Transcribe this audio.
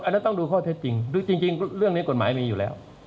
ต้องดูข้อเท็จจริงดูจริงเรื่องนี้กฎหมายมีอยู่แล้ว